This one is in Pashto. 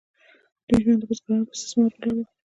د دوی ژوند د بزګرانو په استثمار ولاړ و.